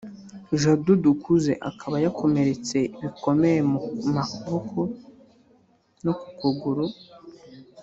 Jado Dukuze akaba yakomeretse bikomeye ku maboko no ku maguru ndetse ababara no mu gatuza